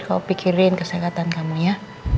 kau pikirin kesehatan kamu ya